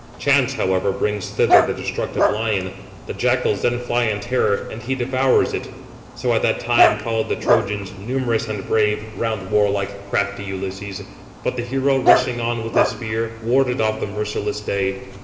Chance, however, brings thither the destructive lion: the jackals then fly in terror, and he devours. So at that time followed the Trojans, numerous and brave, round warlike, crafty Ulysses; but the hero, rushing on with his spear, warded off the merciless day.